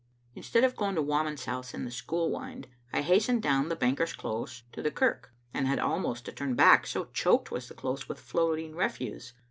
Instead of going to Whamond's house in the school wynd I hastened do¥m the Banker's close to the kirk, and had almost to turn back, so choked was the close with floating refuse.